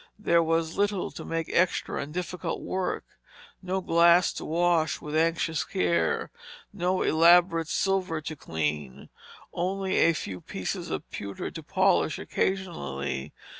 There was little to make extra and difficult work, no glass to wash with anxious care, no elaborate silver to clean, only a few pieces of pewter to polish occasionally.